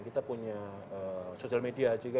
kita punya sosial media juga